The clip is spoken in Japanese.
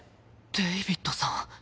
デイビッドさん。